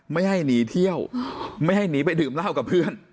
ไม่ให้หนีเที่ยวไม่ให้หนีไปดื่มเหล้ากับเพื่อน